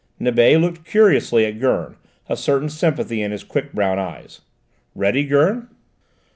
Nibet looked curiously at Gurn, a certain sympathy in his quick brown eyes. "Ready, Gurn?"